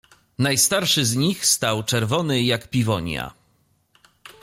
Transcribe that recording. "Najstarszy z nich stał czerwony jak piwonia..."